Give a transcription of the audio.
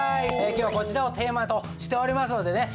今日こちらをテーマとしておりますのでね